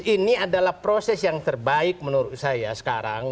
ini adalah proses yang terbaik menurut saya sekarang